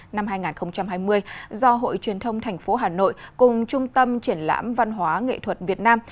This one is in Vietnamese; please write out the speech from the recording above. năm hai nghìn hai mươi do hội truyền thông thành phố hà nội cùng trung tâm triển lãm văn hóa nghệ thuật việt nam